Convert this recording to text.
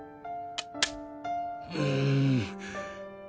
うん